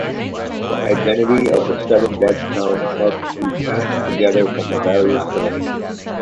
The identity of the seven dead counts must be patched together from various sources.